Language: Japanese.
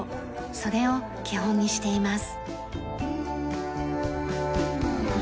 それを基本にしています。